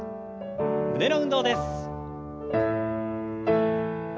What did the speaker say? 胸の運動です。